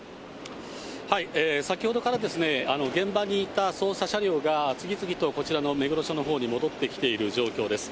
先ほどから、現場にいた捜査車両が次々とこちらの目黒署のほうに戻ってきている状況です。